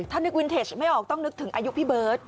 ถ้านึกวินเทจไม่ออกต้องนึกถึงอายุพี่เบิร์ต